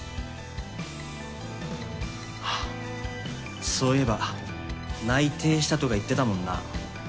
あぁそういえば内定したとか言ってたもんな。